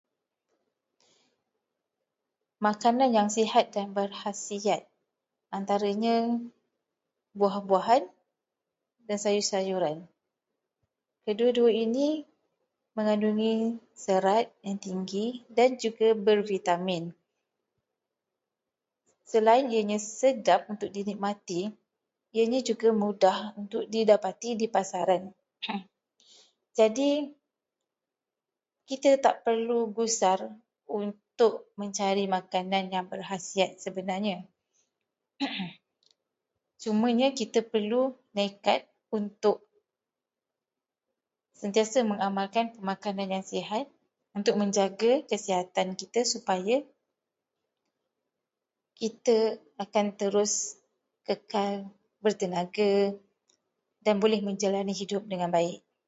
Makanan yang sihat dan berkhasiat antaranya buah-buahan dan sayur-sayuran. Kedua-dua ini mempunyai serat yang tinggi dan bervitamin, Selain ianya sedap untuk dinikmati, ianya juga mudah untuk didapati di pasaran. Jadi, kita tidak perlu gusar untuk mencari makanan yang berkhasiat sebenarnya. Cumanya kita perlu nekad untuk sentiasa mengamalkan pemakanan yang sihat untuk menjaga kesihatan kita supaya kita akan terus kekal bertenaga dan boleh menjalani hidup dengan baik.